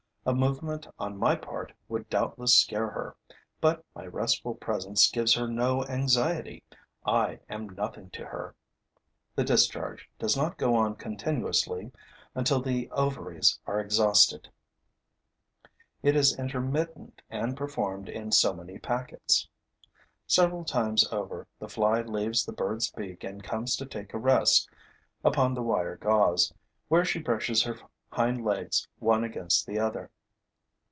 A movement on my part would doubtless scare her; but my restful presence gives her no anxiety. I am nothing to her. The discharge does not go on continuously until the ovaries are exhausted; it is intermittent and performed in so many packets. Several times over, the fly leaves the bird's beak and comes to take a rest upon the wire gauze, where she brushes her hind legs one against the other.